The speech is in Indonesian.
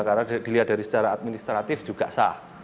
karena dilihat dari secara administratif juga sah